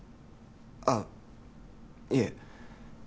ああいえ